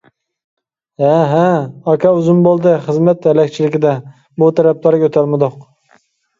-ھە. ھە. ئاكا ئۇزۇن بولدى خىزمەت ھەلەكچىلىكىدە بۇ تەرەپلەرگە ئۆتەلمىدۇق!